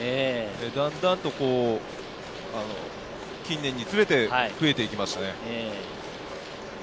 だんだんと近年、増えていきましたね。